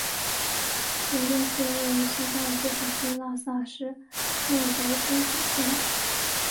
杰定寺位于西藏自治区拉萨市墨竹工卡县。